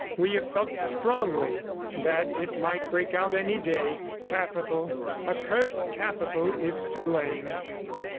We have felt strongly that it might break out any day. Capital, accursed Capital is to blame."